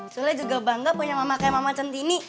saya juga bangga punya mama kayak mama centini